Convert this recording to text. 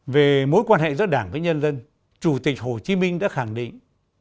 về mối quan hệ giữa đảng với nhân dân chủ tịch hồ chí minh đã khẳng định